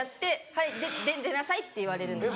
はい出なさい」って言われるんです。